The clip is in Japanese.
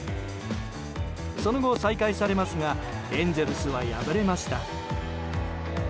その後、再開されますがエンゼルスは敗れました。